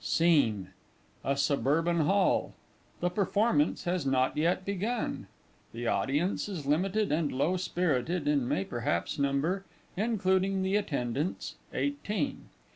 = SCENE _A Suburban Hall. The Performance has not yet begun. The Audience is limited and low spirited, and may perhaps number including the Attendants eighteen.